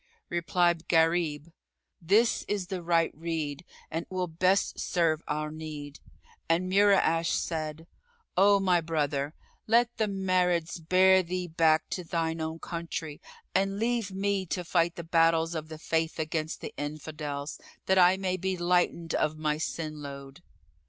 Replied Gharib, "This is the right rede, and will best serve our need;" and Mura'ash, said, "Oh my brother, let the Marids bear thee back to thine own country and leave me to fight the battles of the Faith against the Infidels, that I may be lightened of my sin load."